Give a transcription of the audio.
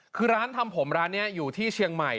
คือร้านทำผมร้านนี้อยู่ที่เชียงใหม่